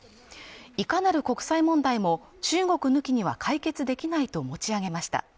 いかなる国際問題も中国抜きには解決できないと持ち上げました。